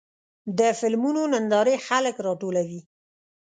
د فلمونو نندارې خلک راټولوي.